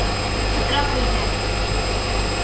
خطرہ کوئی ہے۔